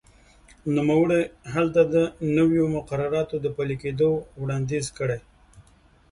نوموړي هلته د نویو مقرراتو د پلي کېدو وړاندیز وکړ.